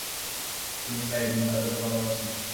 তিনি ভায়োলিন বাজাতে ভালবাসতেন।